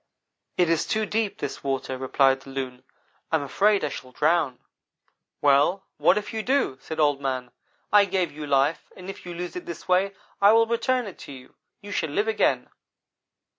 "'It is too deep, this water,' replied the Loon, 'I am afraid I shall drown.' "'Well, what if you do?' said Old man. 'I gave you life, and if you lose it this way I will return it to you. You shall live again!'